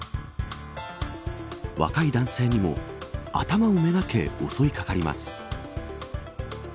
若い男性にも頭を目掛け襲い掛かります。